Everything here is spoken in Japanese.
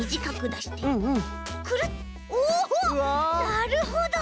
なるほど！